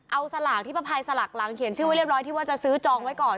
เอาสลากที่ป้าภัยสลักหลังเขียนชื่อไว้เรียบร้อยที่ว่าจะซื้อจองไว้ก่อน